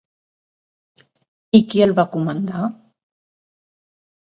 I qui el va comandar?